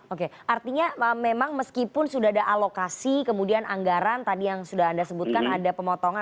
oke artinya memang meskipun sudah ada alokasi kemudian anggaran tadi yang sudah anda sebutkan ada pemotongan